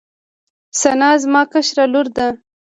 ثنا زما کشره لور ده